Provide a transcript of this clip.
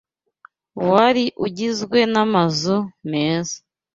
wari ugizwe n’amazu meza.